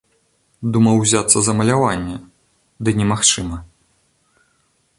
Думаў узяцца за маляванне, ды немагчыма.